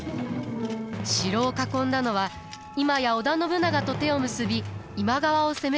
城を囲んだのは今や織田信長と手を結び今川を攻める家康でした。